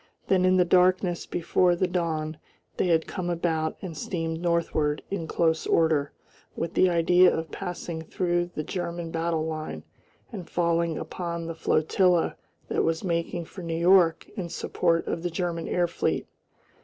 Then in the darkness before the dawn they had come about and steamed northward in close order with the idea of passing through the German battle line and falling upon the flotilla that was making for New York in support of the German air fleet.